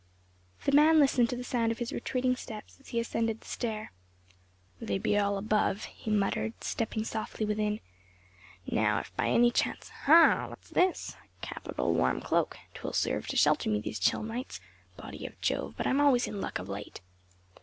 The man listened to the sound of his retreating steps as he ascended the stair. "They be all above," he muttered, stepping softly within. "Now if by any chance Ha! what is this? A capital warm cloak, 'twill serve to shelter me these chill nights. Body of Jove! but I am always in luck of late!"